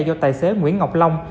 do tài xế nguyễn ngọc long